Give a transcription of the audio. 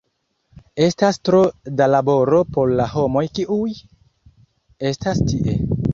Estas tro da laboro por la homoj kiuj estas tie.